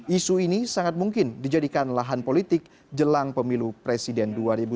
isu ini sangat mungkin dijadikan lahan politik jelang pemilu presiden dua ribu dua puluh